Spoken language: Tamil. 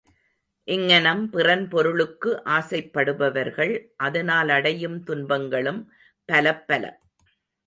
இங்ஙனம் பிறன் பொருளுக்கு ஆசைப்படுபவர்கள் அதனால் அடையும் துன்பங்களும் பலப்பல.